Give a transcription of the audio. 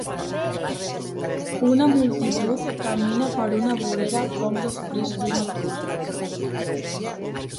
Una multitud camina per una vorera poc després d"una pluja.